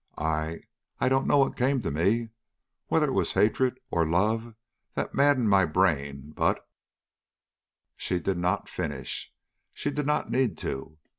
I I don't know what came to me; whether it was hatred or love that maddened my brain but " She did not finish; she did not need to.